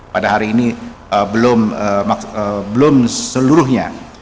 pada hari ini belum seluruhnya